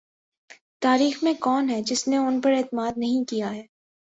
تاریخ میں کون ہے جس نے ان پر اعتماد نہیں کیا ہے۔